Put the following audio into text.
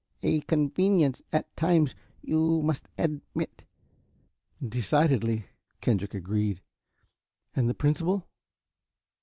A convenience at times, you must admit." "Decidedly," Kendrick agreed. "And the principle?"